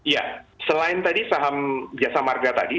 ya selain tadi saham jasa marga tadi